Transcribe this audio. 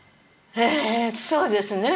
ええそうですね